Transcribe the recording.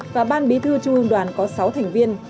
và ban bí thư trung ương đoàn có sáu thành viên